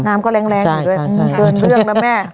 น้ำก็แรงเกินเรื่องนะแม่